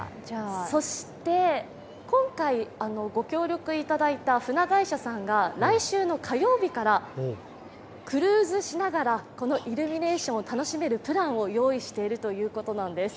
そして、今回、ご協力いただいた船会社さんが来週の火曜日からクルーズしながら、このイルミネーションを楽しめるプランを用意しているということなんです。